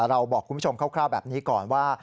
เราบอกคุณผู้ชมคร่าวแบบนี้ก่อนว่า